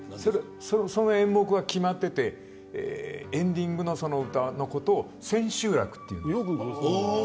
その演目は決まっていてエンディングのその歌のことを千秋楽というんです。